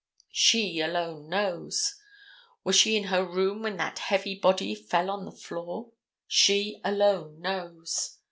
She alone knows. Was she in her room when that heavy body fell to the floor? She alone knows.